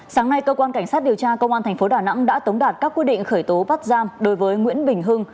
sáng nay cơ quan cảnh sát điều tra công an tp đà nẵng đã tống đạt các quyết định khởi tố bắt giam đối với nguyễn bình hưng